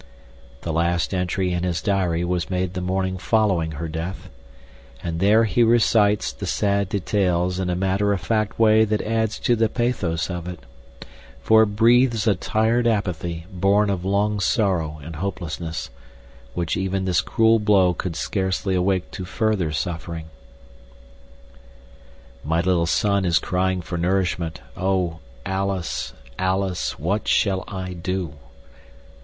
The last entry in his diary was made the morning following her death, and there he recites the sad details in a matter of fact way that adds to the pathos of it; for it breathes a tired apathy born of long sorrow and hopelessness, which even this cruel blow could scarcely awake to further suffering: My little son is crying for nourishment—O Alice, Alice, what shall I do?